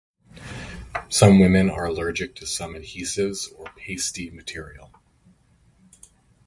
Some women are allergic to some adhesives or pastie material.